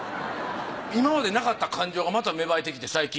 今までなかった感情がまた芽生えてきて最近。